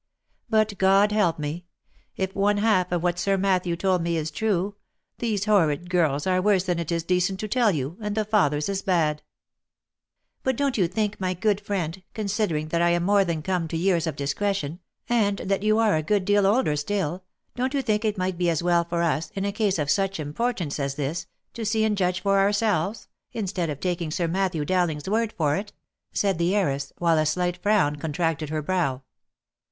But God help me ! If one half of v/hat Sir Matthew told me is true, these horrid girls are worse than it is decent to tell you, and the father's as bad." " But don't you think my good friend, considering that I am more than come to years of discretion, and that you are a good deal older still, don't you think it might be as well for us, in a case of such im portance as this, to see and judge for ourselves, instead of taking Sir Matthew Dowling's word for it V said the heiress, while a slight frown contracted her brow.